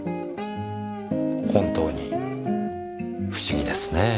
本当に不思議ですねぇ。